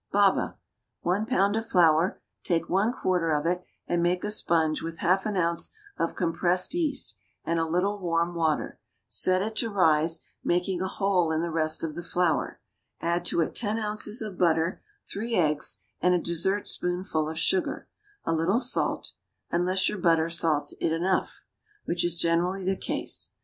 BABA. One pound of flour; take one quarter of it, and make a sponge with half an ounce of compressed yeast and a little warm water, set it to rise, make a hole in the rest of the flour, add to it ten ounces of butter, three eggs, and a dessert spoonful of sugar, a little salt, unless your butter salts it enough, which is generally the case.